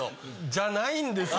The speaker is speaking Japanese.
じゃないんですよ。